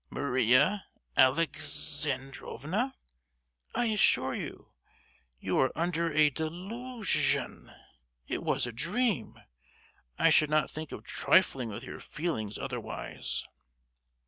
Maria Alex—androvna! I assure you, you are under a delu—usion: it was a dream. I should not think of trifling with your feelings otherwise."